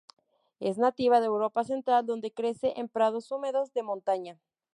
Es nativa de Europa central donde crece en prados húmedos de montaña.